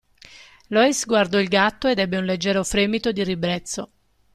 Lois guardò il gatto ed ebbe un leggero fremito di ribrezzo.